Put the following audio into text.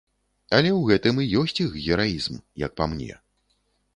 Але ў гэтым і ёсць іх гераізм, як па мне.